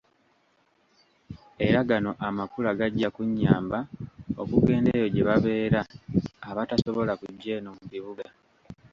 Era gano Amakula gajja kunnyamba okugenda eyo gye babeera abatasobola kujja eno mu bibuga.